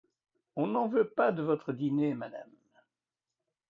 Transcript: On n’en veut pas de votre dîner, madame.